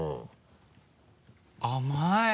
甘い。